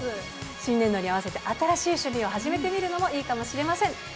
新年度に合わせて新しい趣味を始めてみるのもいいかもしれません。